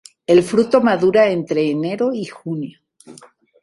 El fruto madura entre enero y junio.